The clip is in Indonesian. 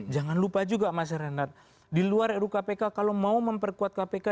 jangan lupa juga mas renat di luar ru kpk kalau mau memperkuat kpk